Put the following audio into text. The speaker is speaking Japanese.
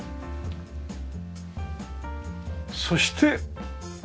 そして。